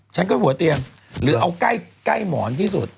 ฉันก็หัวเตียงหรือเอาใกล้หมอนที่สุด